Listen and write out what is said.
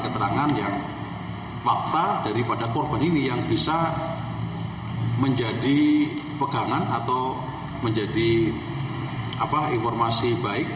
keterangan yang fakta daripada korban ini yang bisa menjadi pegangan atau menjadi informasi baik